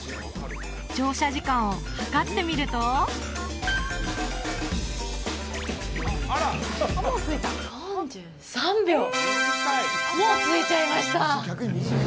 乗車時間を計ってみると４３秒もう着いちゃいました